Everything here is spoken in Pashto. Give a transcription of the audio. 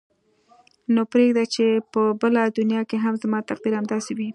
نو پرېږده چې په بله دنیا کې هم زما تقدیر همداسې وي.